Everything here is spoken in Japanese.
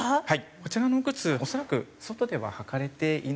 こちらのお靴恐らく外では履かれていない。